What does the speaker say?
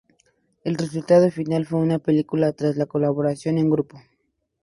El resultado final fue una película tras la colaboración en grupo.